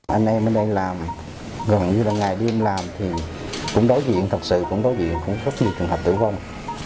anh em bên đây làm gần như là ngày đêm làm thì cũng đối diện thật sự cũng đối diện với rất nhiều trường hợp tử vong